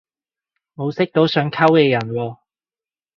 冇識到想溝嘅人喎